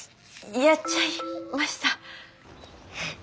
やっちゃいました。